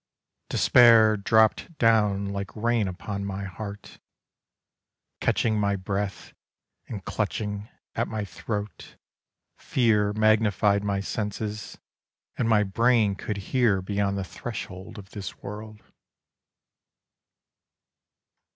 Despair dropp 'd down like rain upon my heart, Catching my breath and clutching at my throat Fear magnified my senses and my brain Could hear beyond the threshold of this world.